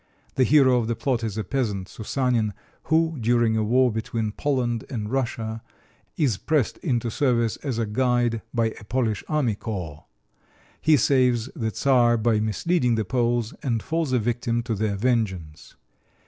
The hero of the plot is a peasant, Soussanin, who, during a war between Poland and Russia, is pressed into service as a guide by a Polish army corps. He saves the Czar by misleading the Poles, and falls a victim to their vengeance.